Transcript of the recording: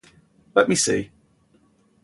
Let me see.